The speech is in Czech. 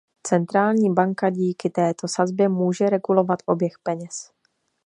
Centrální banka díky této sazbě může regulovat oběh peněz.